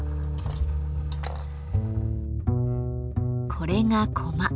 これがコマ。